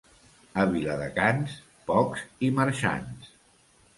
A Viladecans, pocs i marxants.